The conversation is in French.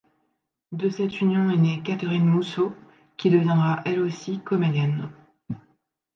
De cette union est née Katerine Mousseau, qui deviendra elle aussi comédienne.